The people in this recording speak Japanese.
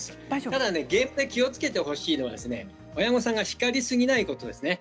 ただ気をつけてほしいのは親御さんがしかりすぎないことですね。